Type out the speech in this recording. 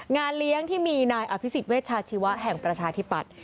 งานเลี้ยงที่มีนายอภิษฎเวชาชีวะแห่งประชาธิปัตย